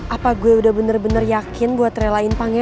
apakah gue udah bener bener yakin buat touch of her decided bagi mel